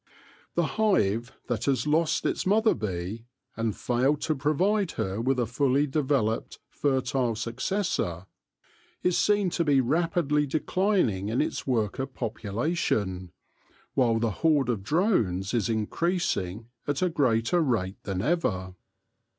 The hive that has lost its mother bee, and failed to provide her with a fully developed, fertile successor, is seen to be rapidly declining in its worker population, while the horde of drones is increasing at a greater rate than ever.